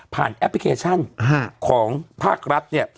ผ่านแอปพลิเคชันของภาครัฐ